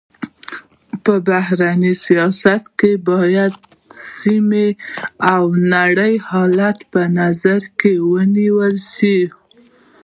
په بهرني سیاست کي باید سيمي او نړۍ حالت په نظر کي ونیول سي.